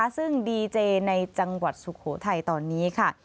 ซึ่งดีเจในจังหวัดสุโขทัยตอนนี้ค่ะ